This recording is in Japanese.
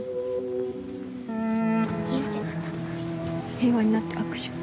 平和になって握手！